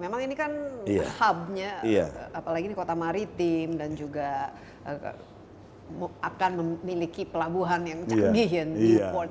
memang ini kan hubnya apalagi ini kota maritim dan juga akan memiliki pelabuhan yang canggih ya newport